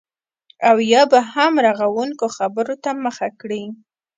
او یا به هم رغونکو خبرو ته مخه کړي